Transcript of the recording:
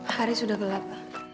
harinya sudah gelap